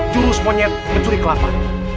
jurus monyet mencuri kelapa